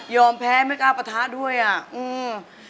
ยอมแพ้ไม่กล้าปะท้าด้วยอ่ะเออ